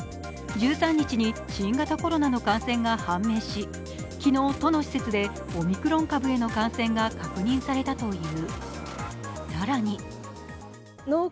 １３日に新型コロナの感染が判明し昨日、都の施設でオミクロン株への感染が確認されたという。